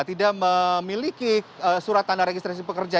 tidak memiliki surat tanda registrasi pekerja